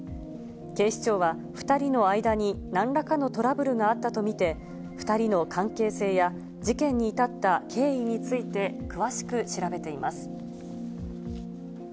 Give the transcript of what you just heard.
警視庁は２人の間になんらかのトラブルがあったと見て、２人の関係性や事件に至った経緯について詳しく調べています。